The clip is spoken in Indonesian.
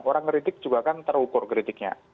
orang ngeritik juga kan terukur kritiknya